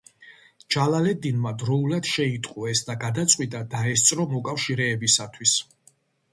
ჯალალედინმა დროულად შეიტყო ეს და გადაწყვიტა დაესწრო მოკავშირეებისათვის.